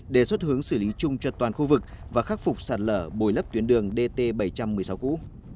đề xuất hướng xử lý chung cho toàn khu vực và khắc phục sạt lở bồi lấp tuyến đường dt bảy trăm một mươi sáu cũ